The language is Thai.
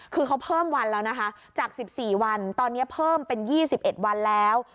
คือเขาเพิ่มวันแล้วนะคะจาก๑๔วันตอนนี้เพิ่มเป็น๒๑วันแล้ว